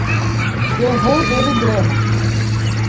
Eu vou ver o drama.